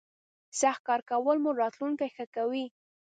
سخت کار کولو مو راتلوونکی ښه کوي.